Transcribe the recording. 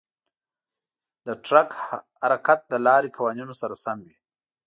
د ټرک حرکت د لارې قوانینو سره سم وي.